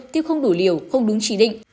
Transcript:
tiếp không đủ liều không đúng chỉ định